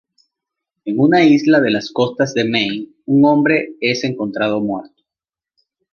En una isla de las costas de Maine, un hombre es encontrado muerto.